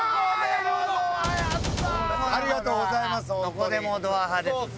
どこでもドア派ですね。